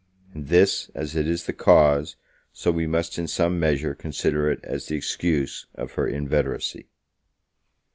And this, as it is the cause, so we must in some measure consider it as the excuse of her inveteracy.